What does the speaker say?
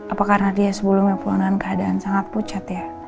apa karena dia sebelumnya pulang dengan keadaan sangat pucat ya